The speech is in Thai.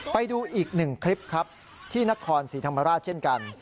ไปดูอีกหนึ่งคลิปครับที่นครศรีธรรมราชเช่นกัน